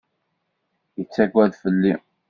Yettagad fell-i.